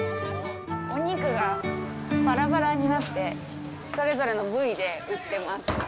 お肉がばらばらになって、それぞれの部位で売ってます。